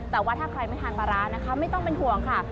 แต่ว่าถ้าใครไม่ทานปลาร้านะคะไม่ต้องเป็นห่วงค่ะ